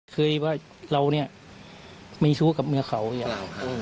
เคยบ๊ะเล่านี่ไม่ชู้กับเมืองเขาอืม